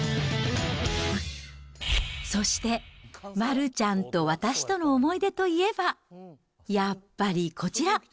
そして丸ちゃんと私との思い出といえば、やっぱりこちら。